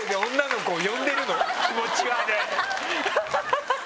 ハハハハ！